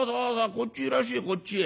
こっちへいらっしゃいこっちへ。